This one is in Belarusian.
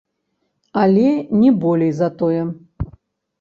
Але не болей за тое.